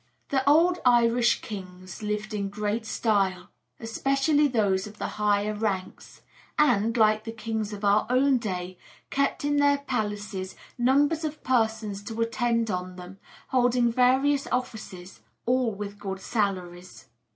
The old Irish kings lived in great style, especially those of the higher ranks, and like the kings of our own day kept in their palaces numbers of persons to attend on them, holding various offices, all with good salaries.